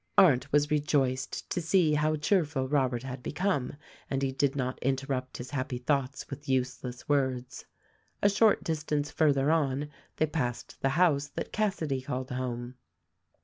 Arndt was rejoiced to see how cheerful Robert had be come, and he did not interrupt his happy thoughts with use less words. A short distance further on they passed the house that Cassady called home.